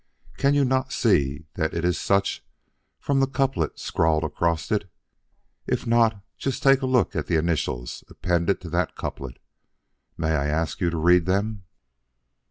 Can you not see that it is such from the couplet scrawled across it? If not, just take a look at the initials appended to that couplet. May I ask you to read them?"